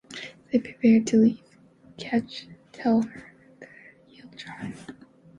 As they prepare to leave, Catch tells her that he'll drive.